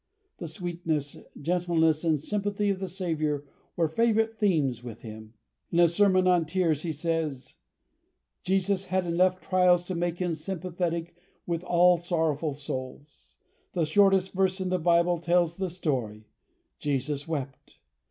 The sweetness, gentleness, and sympathy of the Saviour were favourite themes with him. In a sermon on tears, he says: "Jesus had enough trials to make him sympathetic with all sorrowful souls. The shortest verse in the Bible tells the story: 'Jesus wept.'